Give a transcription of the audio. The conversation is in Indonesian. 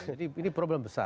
jadi ini problem besar